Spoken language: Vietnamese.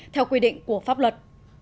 theo quy định của pháp luật